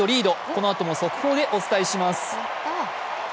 このあとも速報でお伝えします。